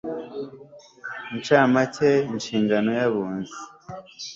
ncamake inshingano y abunzi